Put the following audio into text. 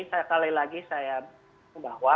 saya sekali lagi saya membawa